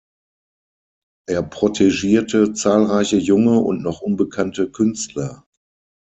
Er protegierte zahlreiche junge und noch unbekannte Künstler.